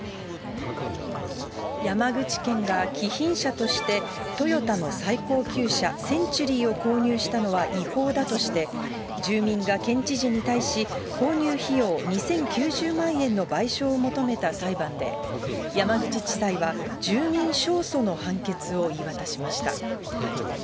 山口県が貴賓車としてトヨタの最高級車、センチュリーを購入したのは違法だとして、住民が県知事に対し、購入費用２０９０万円の賠償を求めた裁判で、山口地裁は住民勝訴の判決を言い渡しました。